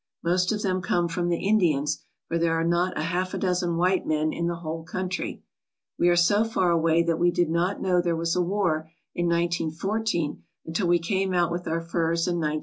Most of them come from the Indians, for there are not a half dozen white men in the whole country. We are so far away that we did not know there was a war in 1914 until we came out with our furs in 1915.